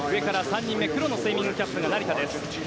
黒のスイミングキャップが成田です。